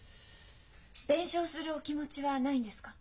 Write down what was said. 弁償するお気持ちはないんですか？